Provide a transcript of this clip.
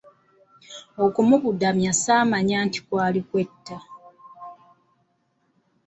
Okumubudamya saamanya nti kwali kwetta.